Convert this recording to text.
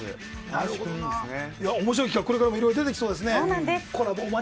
面白い企画がこれからも出てきそうですね。